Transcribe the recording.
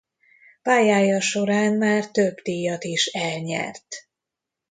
Pályája során már több díjat is elnyert.